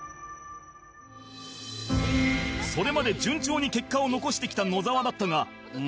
それまで順調に結果を残してきた野沢だったが